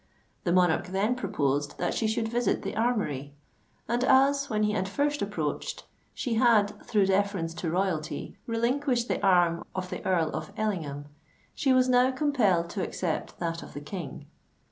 The monarch then proposed that she should visit the Armoury; and as, when he had first approached, she had, through deference to Royalty, relinquished the arm of the Earl of Ellingham, she was now compelled to accept that of the King.